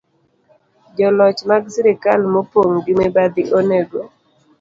Joloch mag sirkal mopong ' gi mibadhi onego